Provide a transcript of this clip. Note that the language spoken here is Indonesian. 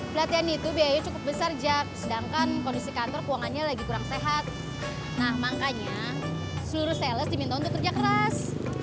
pelatihan itu biayanya cukup besar jak sedangkan kondisi kantor keuangannya lagi kurang sehat nah makanya seluruh sales diminta untuk kerja keras